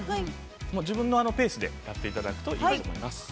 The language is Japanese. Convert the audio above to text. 自分のペースでやっていただくといいと思います。